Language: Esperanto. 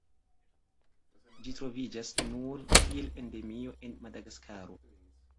Ĝi troviĝas nur kiel endemio en Madagaskaro.